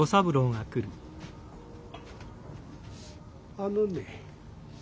あのね